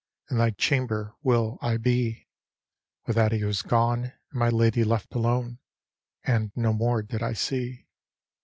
In thy chamber will I be '— With that he was gone and my lady left alone, And no more did I sec."